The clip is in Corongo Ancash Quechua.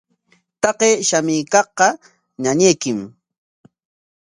Taqay shamuykaqqa ñañaykim.